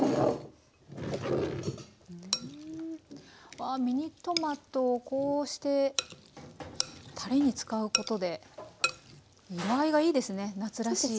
わあミニトマトをこうしてたれに使うことで見栄えがいいですね夏らしい。